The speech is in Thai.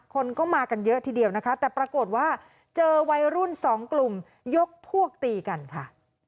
คนก็มากันเยอะทีเดียวนะคะแต่ปรากฏว่าเจอวัยรุ่นสองกลุ่มยกพวกตีกันค่ะ